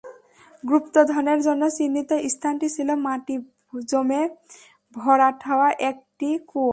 গুপ্তধনের জন্য চিহ্নিত স্থানটি ছিল মাটি জমে ভরাট হওয়া একটি কুয়ো।